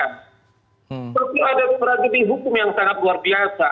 tapi ada tragedi hukum yang sangat luar biasa